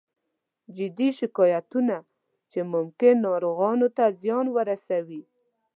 جدي شکایتونه چې ممکن ناروغانو ته زیان ورسوي